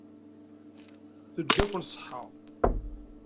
Teǧǧa-ken ṣṣeḥḥa.